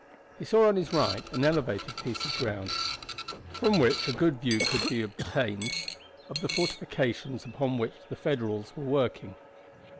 He saw on his right an elevated piece of ground, from which a good view could be obtained of the fortifications upon which the Federals were working.